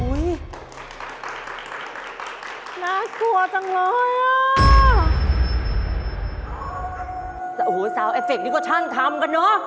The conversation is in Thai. โอ้โฮน่ากลัวจังเลยอ่ะโอ้โฮซาวน์เอฟเฟกต์นี่ก็ช่างทำกันเนอะ